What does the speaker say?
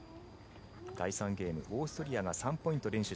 第３ゲームオーストリアが３ポイント連取。